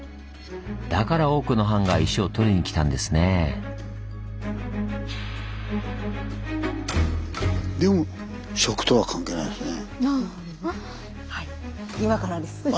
だから多くの藩が石をとりに来たんですねぇ。今からです。